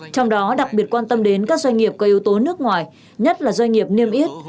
trong đó đặc biệt quan tâm đến các doanh nghiệp có yếu tố nước ngoài nhất là doanh nghiệp niêm yết